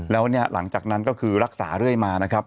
แล้วเนี่ยหลังจากนั้นก็คือรักษาเรื่อยมานะครับ